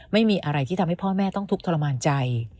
ไม่มีอะไรที่ทำให้พ่อแม่ต้องทุกข์ทรมานใจ